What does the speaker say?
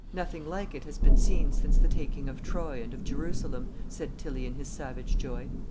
"Nothing like it has been seen since the taking of Troy and of Jerusalem," said Tilly in his savage joy.